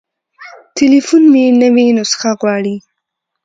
تليفون مې نوې نسخه غواړي.